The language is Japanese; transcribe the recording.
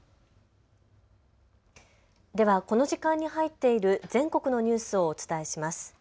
ではこの時間に入っている全国のニュースをお伝えします。